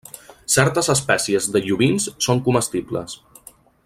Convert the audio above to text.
Certes espècies de llobins són comestibles.